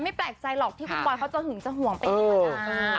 ไม่แปลกใจหรอกที่คุณบ่ายเขาจะหึงจะห่วงไปกี่ประจำ